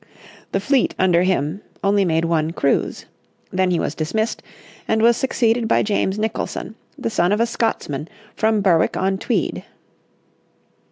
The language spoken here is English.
The fleet under him only made one cruise. Then he was dismissed, and was succeeded by James Nicholson, the son of a Scotsman from Berwick on Tweed.